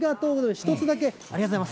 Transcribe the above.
１つだけ、ありがとうございます。